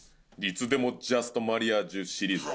いつでもジャストマリアージュシリーズ。